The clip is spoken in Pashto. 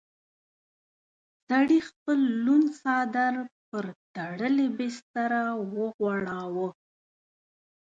سړي خپل لوند څادر پر تړلې بستره وغوړاوه.